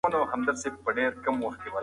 خپل تاریخ او هویت مه هیروئ.